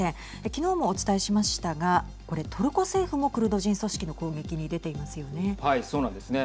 昨日も、お伝えしましたがこれ、トルコ政府もクルド人組織の攻撃にでていますよね。